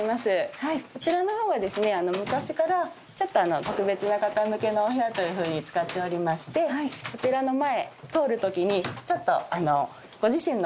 こちらの方はですね昔からちょっと特別な方向けのお部屋というふうに使っておりましてこちらの前通る時にちょっとご自身の足音に気をつけて行ってみてください。